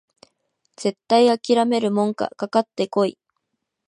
絶対あきらめるもんかかかってこい！